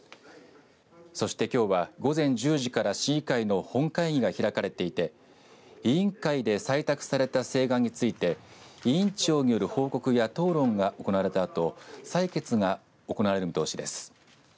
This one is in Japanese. そしてきょうは午前１０時から市議会の本会議が開かれていて委員会で採択された請願について委員長による報告や討論が行われたあと採決が行われる見通しです。